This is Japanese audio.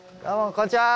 こんにちは。